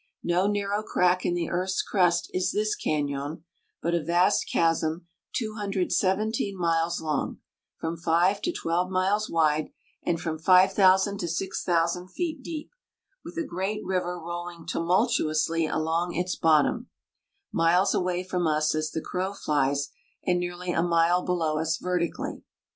No narrow crack in the earth's crust is this cañon, but a vast chasm 217 miles long, from five to twelve miles wide and from 5,000 to 6,000 feet deep, with a great river rolling tumultuously along its bottom, miles away from us as the crow flies, and nearly a mile below us vertically.